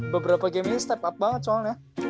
beberapa game ini step up banget soalnya